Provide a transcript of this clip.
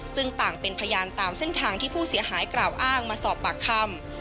ซึ่งต่างเป็นพยานตามเส้นทางที่ผู้เสียหายกล่าวอ้างมาสอบปากคำ